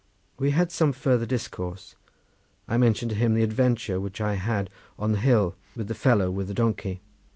We had some further discourse. I mentioned to him the adventure which I had on the hill with the fellow with the donkey.